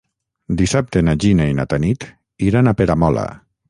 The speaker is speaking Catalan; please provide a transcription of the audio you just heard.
Dissabte na Gina i na Tanit iran a Peramola.